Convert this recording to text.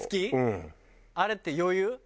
あれって余裕？